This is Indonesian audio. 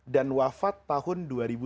dan wafat tahun dua ribu sembilan